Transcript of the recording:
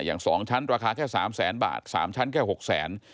อย่างสองชั้นราคาแค่สามแสนบาทสามชั้นแค่หกแสน